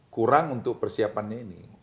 kurang untuk persiapannya ini